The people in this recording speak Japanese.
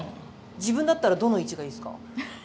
自分だったらどの位置がいいですか？